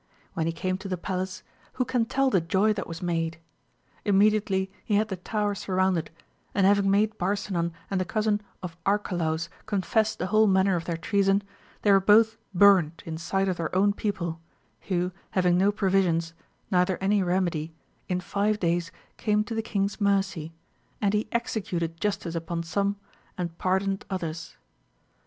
When he came to the palace, who can tell the joy that was made? Inmiediately he had the Tower surrounded, and having made Barsinan and the cousin of Arcalaus confess the whole manner of their treason, they were both burnt in sight of their own people, who having ho provisions, neither any remedy, in five days came to the king's mercy, and he executed justice upon some and pardoned others.